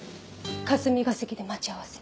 霞が関で待ち合わせ。